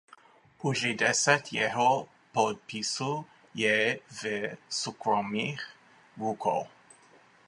Pouze deset jeho podpisů je v soukromých rukou.